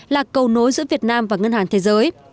là cầu nối giữa việt nam và ngân hàng thế giới